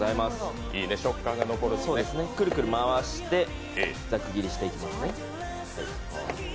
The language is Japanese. くるくる回してざく切りしていきます。